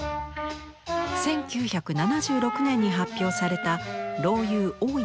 １９７６年に発表された「老雄大いに語る」。